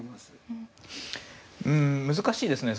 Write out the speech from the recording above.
うん難しいですね。